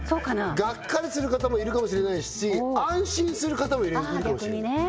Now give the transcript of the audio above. がっかりする方もいるかもしれないし安心する方もいるかもしれないああ逆にね